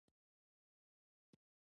سیاسي زغم د مختلفو نظرونو منلو ته اړتیا لري